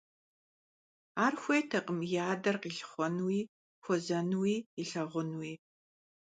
Ар хуейтэкъым и адэр къилъыхъуэнуи, хуэзэнуи, илъэгъунуи.